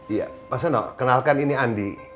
iya mas yono kenalkan ini andi